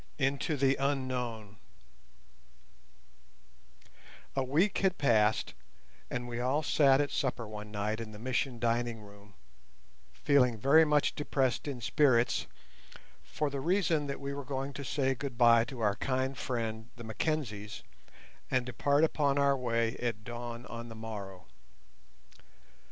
INTO THE UNKNOWN A week had passed, and we all sat at supper one night in the Mission dining room, feeling very much depressed in spirits, for the reason that we were going to say goodbye to our kind friends, the Mackenzies, and depart upon our way at dawn on the morrow.